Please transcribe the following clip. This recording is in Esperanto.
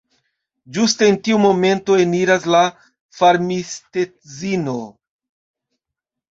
Ĝuste en tiu momento eniras la farmistedzino.